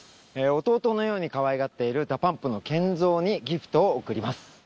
弟のようにかわいがっているＤＡＰＵＭＰのＫＥＮＺＯにギフトを贈ります。